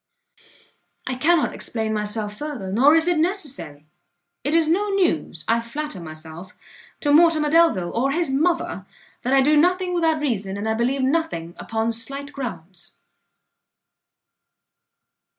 I cannot explain myself further, nor is it necessary; it is no news, I flatter myself, to Mortimer Delvile or his mother, that I do nothing without reason, and I believe nothing upon slight grounds.